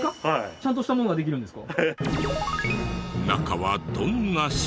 ちゃんとしたものができるんですか？